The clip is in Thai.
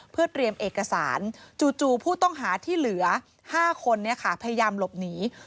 เพื่อเตรียมเอกสารจู่ผู้ต้องหาที่เหลือ๕คนพยายามหลบหนี